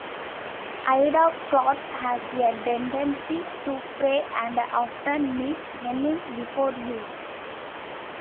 Aida cloth has a tendency to fray and often needs hemming before use.